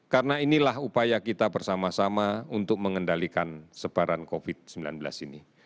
karena inilah upaya kita bersama sama untuk mengendalikan sebaran covid sembilan belas ini